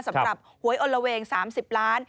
สำหรับหวยอลละเวง๓๐ล้าน